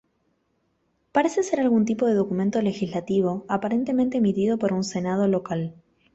Parece ser algún tipo de documento legislativo aparentemente emitido por un senado local.